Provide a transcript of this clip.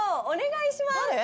お願いします。